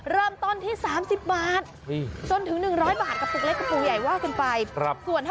เริ่มต้นที่๓๐บาทจนถึง๑๐๐บาท